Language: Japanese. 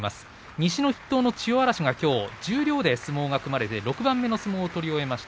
西の筆頭の千代嵐がきょう十両で相撲が組まれて６番目の相撲を取り終えました。